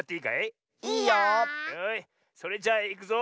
それじゃあいくぞ。